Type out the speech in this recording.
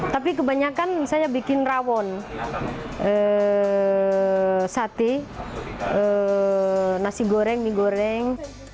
tapi kebanyakan saya bikin rawon sate nasi goreng mie goreng